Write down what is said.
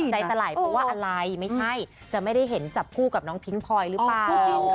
ใจสลายเพราะว่าอะไรไม่ใช่จะไม่ได้เห็นจับคู่กับน้องพิงพลอยหรือเปล่า